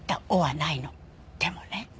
でもね